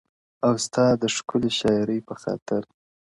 او ستا د ښكلي شاعرۍ په خاطر؛